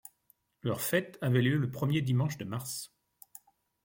Leur fête avait lieu le premier dimanche de mars.